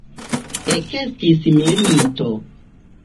Ekestis milito.